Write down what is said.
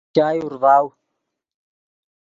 چائے اورڤاؤ